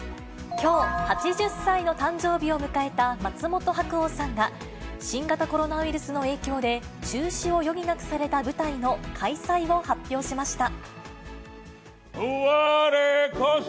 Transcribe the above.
きょう、８０歳の誕生日を迎えた松本白鸚さんが、新型コロナウイルスの影響で、中止を余儀なくされた舞台の開催を発表しました。